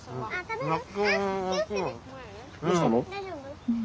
どうしたの？